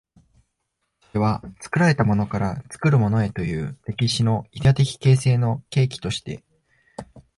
それは作られたものから作るものへという歴史のイデヤ的形成の契機として、